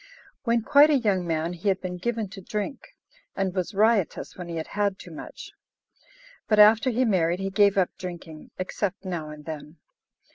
When quite a young man he had been given to drink, and was riotous when he had had too much; but after he married he gave up drinking, except now and then.